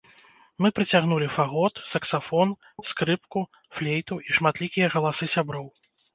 Мы прыцягнулі фагот, саксафон, скрыпку, флейту і шматлікія галасы сяброў.